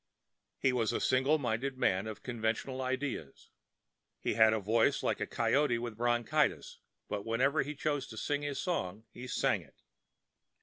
He was a single minded man of conventional ideas. He had a voice like a coyote with bronchitis, but whenever he chose to sing his song he sang it.